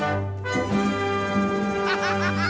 ハハハハ！